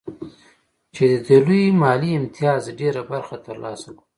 چې د دې لوی مالي امتياز ډېره برخه ترلاسه کړو